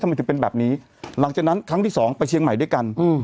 ทำไมถึงเป็นแบบนี้หลังจากนั้นครั้งที่สองไปเชียงใหม่ด้วยกัน